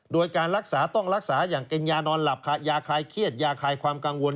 โดยการรักษาต้องรักษาอย่างเป็นยานอนหลับยาคลายเครียดยาคลายความกังวล